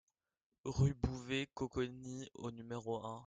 RUE BOUVET - COCONI au numéro un